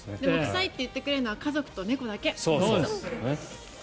臭いって言ってくれるのは家族と猫だけ。